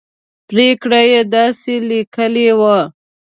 پرېکړه یې داسې لیکلې وه.